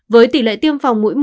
với tỉ lệ tiêm phòng mũi một